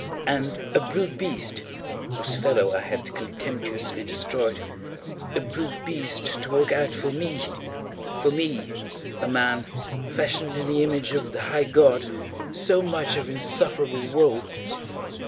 And _a brute beast _—whose fellow I had contemptuously destroyed—a brute beast to work out for me—for me a man, fashioned in the image of the High God—so much of insufferable woe!